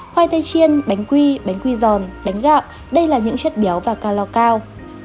khoai tây chiên bánh quy bánh quy giòn bánh gạo đây là những chất béo và ca lo cao